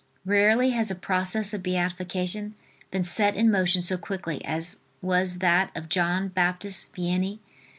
Rarely has a process of beatification been set in motion so quickly as was that of John Baptist Vianney.